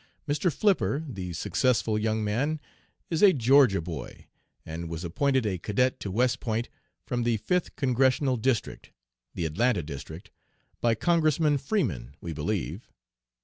Mr. Flipper, the successful young man is a Georgia boy, and was appointed a cadet to West Point from the Fifth Congressional District the Atlanta District by Congressman Freeman, we believe.